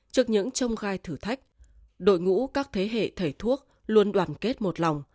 trước những trông gai thử thách đội ngũ các thế hệ thầy thuốc luôn đoàn kết một lòng